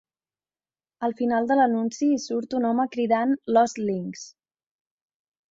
Al final de l'anunci hi surt un home cridant Los Links!